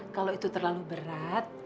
kalau itu terlalu berat